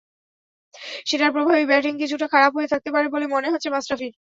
সেটার প্রভাবেই ব্যাটিং কিছুটা খারাপ হয়ে থাকতে পারে বলে মনে হচ্ছে মাশরাফির।